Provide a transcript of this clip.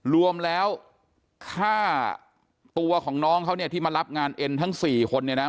รวมแล้วค่าตัวของน้องเขาเนี่ยที่มารับงานเอ็นทั้ง๔คนเนี่ยนะ